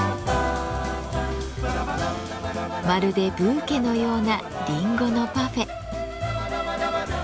まるでブーケのようなリンゴのパフェ。